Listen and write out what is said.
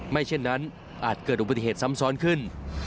เช่นนั้นอาจเกิดอุบัติเหตุซ้ำซ้อนขึ้น